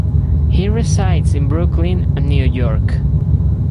He resides in Brooklyn, New York.